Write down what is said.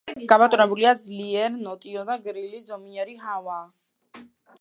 გაბატონებულია ძლიერ ნოტიო და გრილი ზომიერი ჰავა.